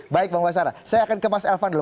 baik bang basara saya akan ke mas elvan dulu